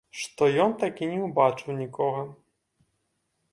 Што ён так і не ўбачыў нікога.